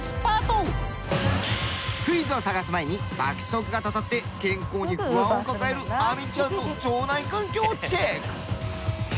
クイズを探す前に爆食がたたって健康に不安を抱える亜美ちゃんの腸内環境をチェック！